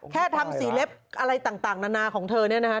แค่ทำสีเล็บอะไรต่างนานาของเธอเนี่ยนะฮะ